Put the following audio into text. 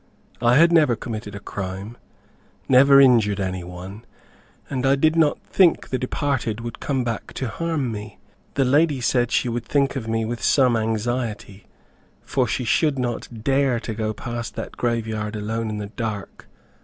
I had never committed a crime, never injured any one, and I did not think the departed would come back to harm me. The lady said she would think of me with some anxiety, for she should not dare to go past that grave yard alone in the dark.